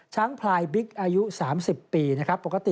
ช้างภายบิ๊กอายุ๓๐ปี